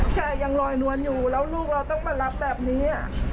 ใช่ยังลอยนวลอยู่แล้วลูกเราต้องมารับแบบนี้